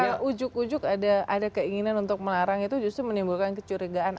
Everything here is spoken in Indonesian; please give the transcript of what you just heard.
dan kalau ujuk ujuk ada keinginan untuk melarang itu justru menimbulkan kecurigaan